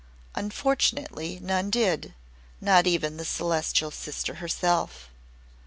Unfortunately none did not even the Celestial Sister herself.